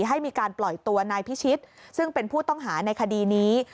ให้มีการปล่อยตัวนายพิชิตซึ่งเป็นผู้ต้องหาในคดีนี้